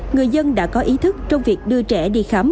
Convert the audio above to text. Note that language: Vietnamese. người dân đã có ý thức trong việc đưa trẻ đi khám